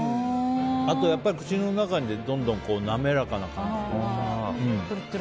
あと口の中でどんどん滑らかな感じ。